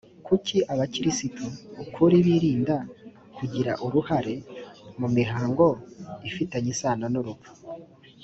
kuki abakristo ukuri birinda kugira uruhare mu mihango ifitanye isano n urupfu